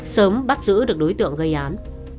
sớm bắt giữ được đối tượng gây án